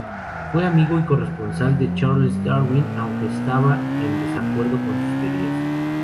Fue amigo y corresponsal de Charles Darwin, aunque estaba en desacuerdo con sus teorías.